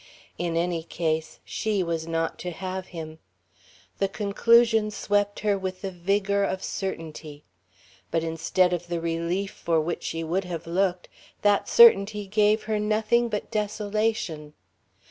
In any case, she was not to have him. The conclusion swept her with the vigour of certainty. But instead of the relief for which she would have looked, that certainty gave her nothing but desolation.